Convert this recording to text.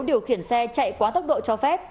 điều khiển xe chạy quá tốc độ cho phép